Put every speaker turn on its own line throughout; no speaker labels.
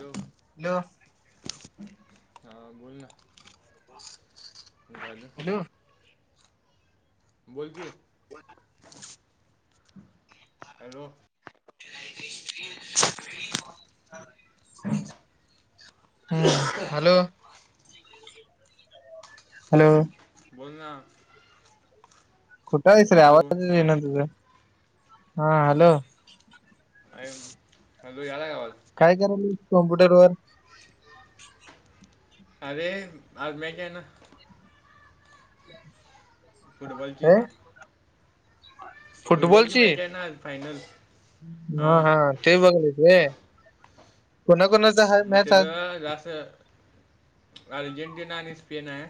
हो
हॅलो
हा बोल ना झालं.
हो.
बोल की हॅलो.
[unintelligible] ह हॅलो. हॅलो,
बोल ना.
कुठे आहेस रे
हॅलो
आवाज ये ना तुझं हा हॅलो.
हॅलो याला कावाल.
काय करायल कॉम्प्युटर वर.
अरे आज म का ना. फुटबॉलची. फुटबॉलची
फुटबलची.
मॅच आहे फायनल.
हा
हां
हा ते बघलेचय कोणाकणा.
मग त्याच जा अर्जेंटिना आणि स्पेन आहे.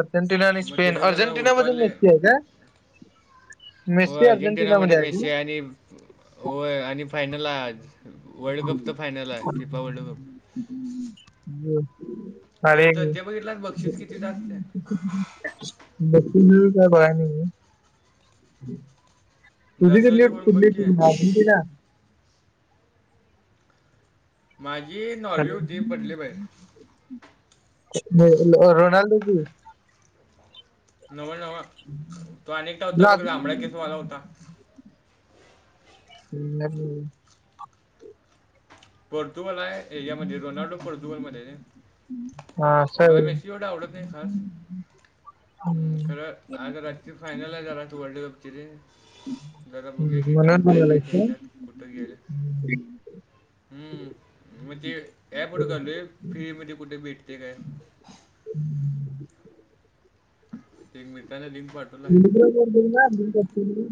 अर्जेंटिना आणि
मग
स्पेन
त्याचं जरा
अर्जेंटिना मधून
हुडकावले
मेस्ती आहे का.
हो
मेस्सी अर्जेंटिना
अर्जेंटिनामध्ये
मध्ये
मेशी आहे आणि हो आणि फायनल. वर्ल्ड कप तर फायनल आहे फिफा वर्ल्ड कप.
हम्म ह्.
ते चचे बघितला बक्षीस किती जा असते.
बक् काय कय नि. तुझी
जसं जे
क
कोण बघ
कुठली
की
त का.
माझी नॉवी उद पडली परे.
रोनाल्डो की.
नवं नवं तो अनेकटा होता बघ जांभडा केसवाला होता.
ह्.
पोर्तुगल यामध्ये रोनाल्डो पोर्तुगलमध्ये.
हा असं
मला मेसी ढ आवडत नाही खास्
आहे.
खरं. आज रात्री फानल आहे झाला तू वर्ल्ड कपची र. जरा बघले की कसं
म्हणून
काय काय
बघायलायस
ख्यायच्यात कुठं गेलं. ह मग ते याप घालो आहे फि्री म ते कुठे भेटते काय. एक मितताने लिंक पाड.
त ब ना दी कर.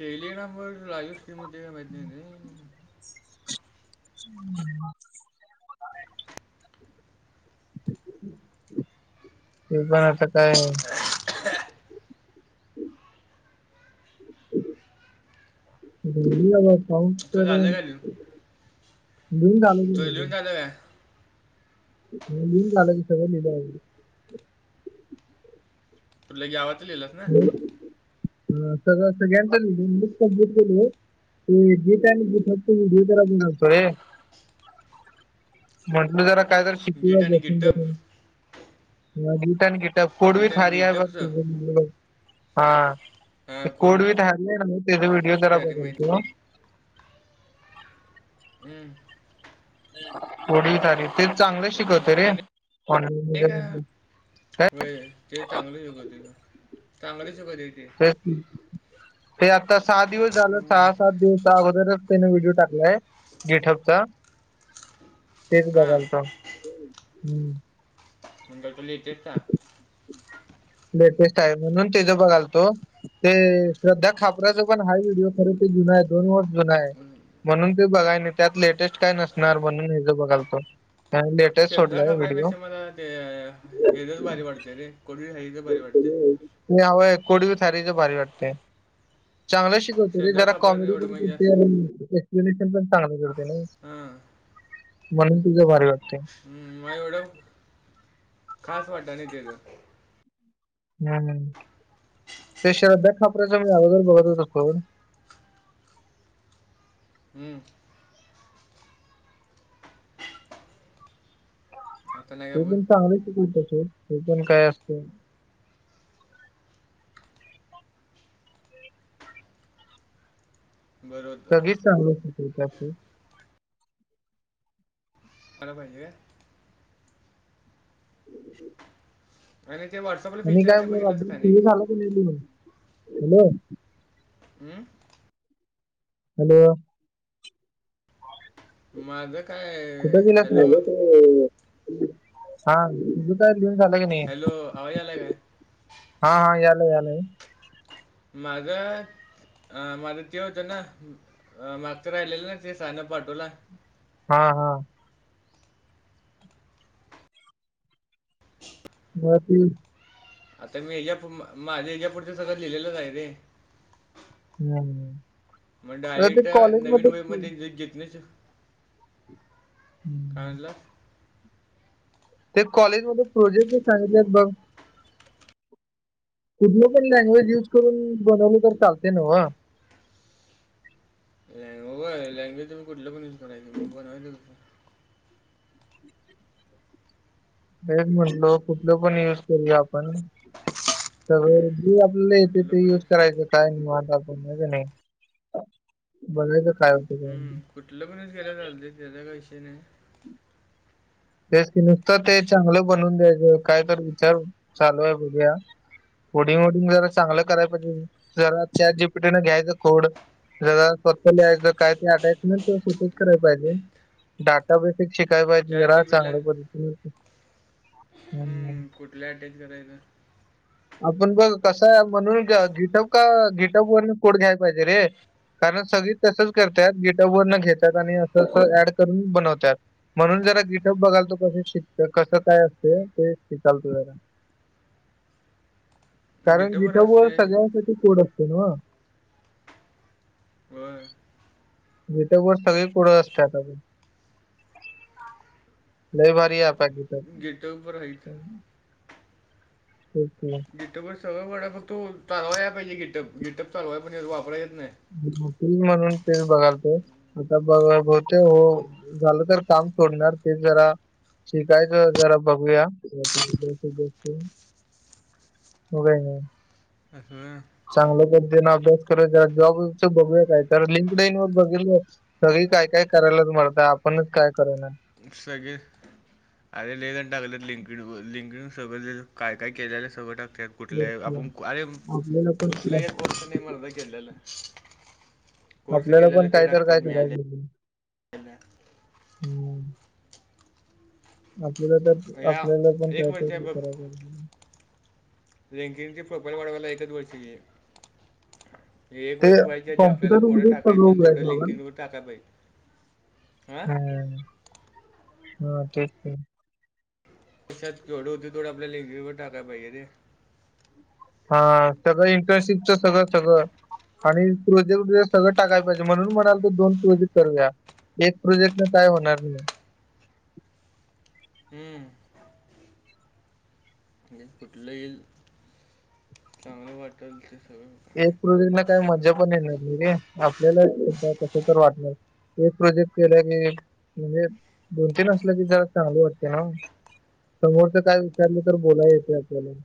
ली नंबर लाईव्ह स्ट्रीममध्ये का माहिती नाही.
ह ते पण असं काय. घ आ पाऊस
तो झालं का लिहून
द आलजी ला.
हल आहे.
हन काल क सग.
तरू लगे आवा तर ललस ना.
ह तर स. ते जीता जी बतरे. म्हंटल जरा कायत शिकू.
गिट आणि गिटअप
ह गीट आणि गीट पोडवी
गिट आणि
ठारी आहे बघ
गिटअपचं
तुझ. हा
हा
ते
कोडविट
कोड बी ठरलेय ना म त्याचा व्हिडिओ जरा
झाली
बघल
माहिती
तो.
हं.
पुढवी तारीख ते चांगलं शिकवत
तर
रे ऑनलाईन म.
होय ते चांगलं शिकवते त चांगलं शिकवते ते.
तेच ते आता सहा दिवस झालं
हम्म.
सहा सात दिवस अगोदरच त्याने व्हिडिओ टाकलाय गिटपचा.
[inaudible]
शेच
हा
बघालता हम्म.
मणग तो ल येतेच.
लेटेस्ट आहे म्हणून तेचा बघाल तो. ते श्रद्धा खापराचा पण हा व्हिडिओ खरे ते जुना आहे दोन वर्ष जुना आहे.
हम्म.
म्हणून ते बघाय नाही त्यात लेटेस्ट काय नसणार म्हणून हे ज बघाल तो. ह लेटेस्ट
श्रद्धा
सोडलाय व्हिडिओ.
खापरापेक्षा मला ते हे तरच भारी वाटते रे कोणी ह तर भारी वाटते.
हव कोडवी थारीच भारी वाटते चांगलं शिक. त रे
श्रद्धा
जरा
खापराचं
कॉमेडी
एवढं म्हणजे
पणते.
जास्त
रिलेशन पण चांगलं करते ना
हां
म्हणून तुझ भारी वाटते.
हम् म एवढं खास वाटा नाही त्याचं.
हम् ते श्रद्धा खापरा्याच मी अगोदर बघत होत कोण?
हम्म. आता नाही का
ते
बोल
पण चांगले चिकल तस ते पण काय असत.
बरं होतं
सगळीच चांगली शल अस.
अला बहिे आणि ते व्हॉट्सअ.
आणि काय रात्री झालं.
हमं.
हॅलो.
माझं काय
कुठं गेलास रे
हॅलो.
हा जु का लिहन झालं की नाही.
आवाय याले का आहे.
हा हा याल यालय.
माझं. अ माझ ते होतं ना माग तर राहिलेलं ना ते सनं पाटोला.
हा हा. बाती.
आता मी हच्या माझ्या हच्या पुुढचं सगळं लिहिलेलंच आहे रे.
हम्म.
मग
आता
डायरेक्ट
ते
नवीन
कॉलेजमध्ये
वे मध्ये जेतणेच.
हम्म.
पाला.
ते कॉलेजमध्येध्ये प्रोजेक्ट सांगितले आहेत बघ? कुठली पण लँग्वेज युज करून बनवलं तर चालते ना.
लँगो लँगवे मी कुठलं पण युज करायचे म बनवायं.
हे म्हंटलो कुठलं पण युज करूया आपण सग. आपल्याला येते
कुठलं
ते
पण
युज करायचं. ता ब नाही बघच खाय.
हम्म कुठलं पणच गेला चालते त्याला कश नाही.
जस नुसतं ते चांगलं बनवून द्यायचं काय तर विचार चालू आहे बघूया. कोडिंग वडिंग जरा चांगलं कराय पाहिजे जरा चार जी पीटीने घ्यायचं खोड. जरा स्वतः लिहायचं काय ते आायचं ना सुूटिंग कराय पाहिजे डाटा बेस. शिकाय पाहिजे
चार
जरा
डीबीला
चांगल्या पद्धती हम्.
कुठल्या अटॅच करायचं.
आपण बघ कसा म्हणून गीटप का गिटप वरून कोड घ्यायला पाहिजे रे. कारण सगळी तसच करतात गिटावर न घेतात आणि असं अस ऍड करून बनवतात. म्हणून जरा गिटप बघाल तो कस शिकत कसं काय असत ते शिकाल तू जरा. कारण
डिटोबर
जिथब
असतोय
सगळ्यांसाठी कोड असते ना.
होय.
जटबर सगळी कुढं असते आताण. नाही भारीया पाकी.
गेटपर आहेतहीत.
हम् हम.
गिटपवर सगळं वडा फक्तो चालवा आहे पाहिजे गिटप गिटप चालू आहे पणे वापराय येत नाही.
तेच म्हणून तेच बघालतो आता बघ बहुतेक हो. झालं तर काम सोडणार ते जरा. शिकायचं जरा बघूया. उ का नाही.
असं.
चांगलं पजें अभ्यास करायचा जॉब बघय तर लिंकड लाईन वर बघितलं. सगळी काय काय करायल्यात मर्दा आपणच काय करना
सगळी अरे लई जण टाकल्यात लिंक लिंकडगं काय काय केलेलं सगळं टाकत्यात.
तेच
कुठले
की.
आपण अरे
आपल्याला पण
कुठले एक कोर्स नाही मर्दा केलेलं कोर्स
आपल्याला पण
केल्याल ते
काय तर
टाकत्यात
काय करावं लागेल.
मिळाल्यालं
हं. आपल्याला तर
या
आपल्याला पण
एक वर्ष आहे
काहीतरी कराय पाहिजे.
रँकिंगचे प्रोफाईल वाढवायला एकच वर्षी हे एक
ते
वर्ष व्हायच्या आधी आपल्याला थोडं
कॉम्प्युटरमध्येच
टाकाय
सगळं
येतील थोडं लिंकिंग वर टाकाय पाहिजे. हां
हम् हा तेच ते
वर्षात केवढं होतय तेवढं आपल्या लिंकिंगवर टाकाय पाहिजे ते
हा सगळं इंटर्नशिपच सगळं सगळं आणि प्रोजेक्ट बीजेक्ट सगळं टाकाय पाहिजे म्हणून म्हणालतो दोन प्रोजेक्ट करूया. एक प्रोजेक्टन काय होणार नाही.
हम् म्हणजे कुठलं ईल चांगलं वाटलं ते [unintelligible] गावात
म्हणजे आपल्याला कस तर वाटणार एक प्रोजेक्ट केला की म्हणजे दोन तीन असलं की जरा चांगलं वाटतय ना. समोरच काय विचारलं तर बोलाय येतय आपल्याला बी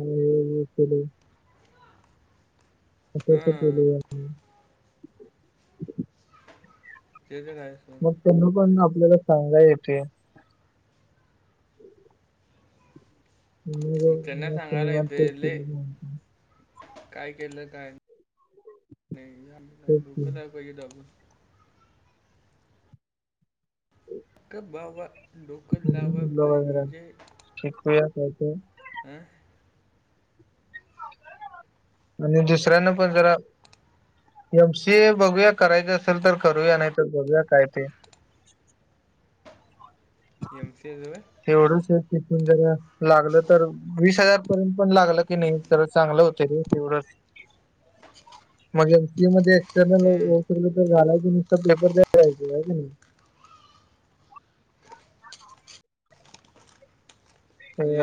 आम्ही हे हे केलंय. असं असं
हां
केलंय.
ते तर आहे.
मग
सोड
त्यांना पण आपल्याला सांगाय येतंय. मग
त्यांना
मस्त
सांगायला
निवांत
येतय
तेच
लई
केलं म्हणून.
काय केलं काय [unintelligible]
तेच की.
डोकं द्यायला पाहिजे दाबून
[unintelligible]
गप बाबा डोकं
म्हणून
लावाय
म्हणलं वगैरे
पाहिजे
शिकूया काय ते
अ
आणि दुसऱ्याना पण जरा एम सी ए बघूया करायचं असेल तर करूया नाही तर बघूया काय ते.
एम. सी. ए. च होय
तेवढंच तिथून जर लागलं तर वीस हजार पर्यंत पण लागलं की नाही तर चांगलं होतंय रे तेवढंच मग एमसीए मध्ये एक्सटर्नल होऊ शकलं तर झालं की नुसता पेपर द्यायला जाण्याचं होय की नाही.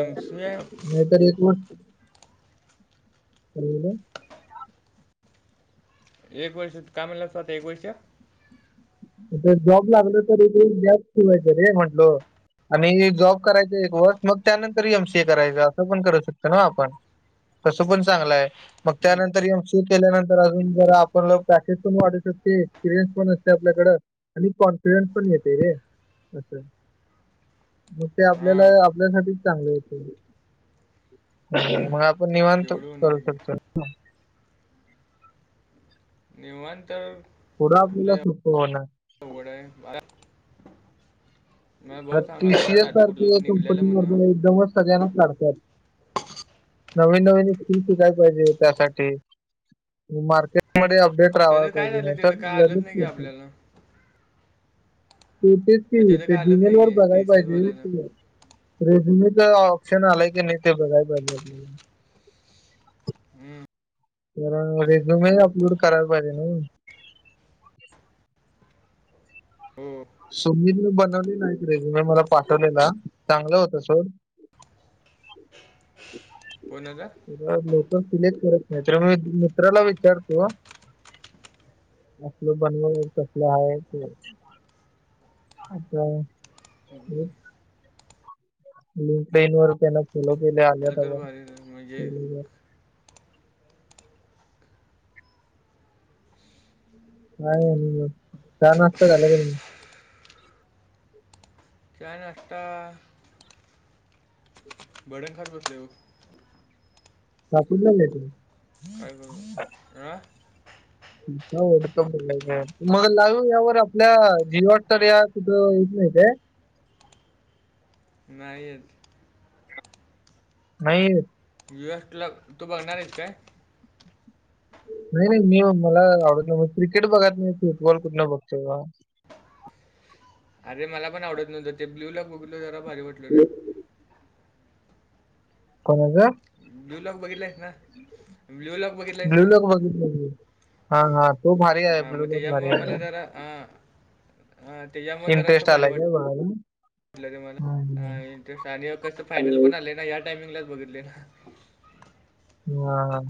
एम सी ए
एक वर्ष
एक वर्ष काय म्हणालास तू आता एक वर्ष
जॉब लागल तरी ते गॅप ठेवायचं रे म्हंटलो आणि जॉब करायच एक वर्ष मग त्यानंतर एमसीए करायच असं पण करू शकतो ना आपण तसं पण चांगलं आहे. मग
हम्म.
त्यानंतर एम. सी. ए. केल्यानंतर अजून जरा आपला पॅकेज पण वाढू शकतंय एक्सपिरियनस पण येत्यात आपल्याकडं आणि कॉन्फिडन्स पण येतंय रे असं मग ते आपल्याला
हां
आपल्यासाठीच चांगलं होतयं मग आपण निवांत
तेवढं
करू
होणार की
शकतोय.
निवांत तर
पुढं आपल्याला
लय
सोपं होणार
अवघड आहे भाऊ सांगायला लावला,
टीसीएस
आता कुठलं
सारखी
निघलेलं
कंपनी मग
म्हणा
एकदमच सगळ्यांनाच काढतात. नवीन नवीन स्कील शिकाय पाहिजे त्यासाठी मार्केटमध्ये डेट रावायला
त्याचं काय
पाहिजे
झालं
नाही तर
त्याचं काय आलंच नाही की
लगेच
आपल्याला
ते तेच
अ, त्याचं
ते
काय आलंच
जीमेल
नाही
वर
की
बघाला
टी सी एसवाल्यानं
पाहिजे. रेझुमीच ऑप्शन आलाय की नाही ते बघाय पाहिज
हम्म.
तरण रेझ्युूम अपलोड करायला पाहिजे ना.
हो
सोमीन बनवली नाहीत [unintelligible] रेजु मी मला पाठवलेला चांगलं होत सोड.
कोन का
ब लोक सिलेक्ट करत नाही तर मी मित्राला विचारतो असल बनवालं कसलं आहे ते? अच्छा [unintelligible] लिंक टेन वर त्यांना फॉलो केल्या
त्याला
आल्यातर
तर भारी आहे. म्हणजे
मग. काय नाही अजून म चाहा, नाष्टा झाला की नाही?
चाहा, नाष्टा वडे खात होते हो.
नागपूरला [unintelligible]
काय ग अह
वडकम मग लाईव यावर आपल्या जीवाट तर या कुठं येत नाहीत आहे.
नाही येत.
नाही.
[unintelligible] तु भरणार आहेस काय?
नाही, नाही मी मला आवडत नाही म क्रिकेट बघत नाही फुटबॉल कुठला बघतोय भावा.
अरे मला पण आवडत नव्हं ते ब्लू ला बोगलो जरा भारी वाटलो रे.
कोणा च?
ब्ल्यू लॉक बघितलास ना, ब्ल्यू लॉक बघितलास ना.
बघितल मी हा, हा, तो भारी आहे. ब्लु भारी आहे.
अ त्याच्यामुळे जरा अस
इंटरेस्ट
भारी
आलाय
वाट
काय बघायला
म्हटलं ते
हम्म.
मला इंटरेस्ट आणि कस फायनल
हम्म.
पण आले ना या टाईमिंगलाच बघितल.
हा..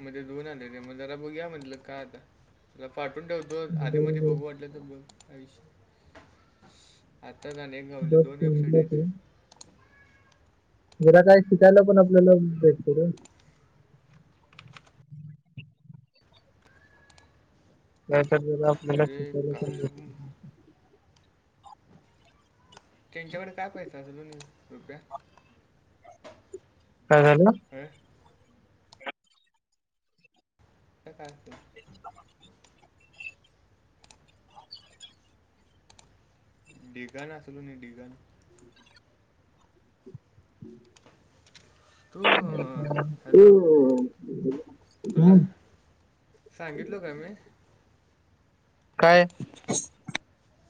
मध्ये दोन आलेले मग जरा बघुया म्हटलं का आता तर फाटून ठेव जो आधीमधी
बरोबर.
बघू वाटलं तर बघ आयुष्य आताच अनेक गावले
बस
दोन वेबसाईट
म्हटलं
आहेत.
तू. जरा काय शिकायला पण आपल्याला भेटतेरे त्याचा जर आपल्याला
अरे
शिक
काय
[unintelligible]
त्यांच्याकडे काय पैसा अस दोन रुपया.
काय झाल.
काय. त्या कारते.
[unintelligible]
डिझाइन असलना डीझाइन. तू
ह
हॅलो
हम्म.
सांगितलो का मी.
काय.